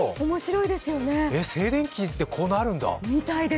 静電気ってこうなるんだ？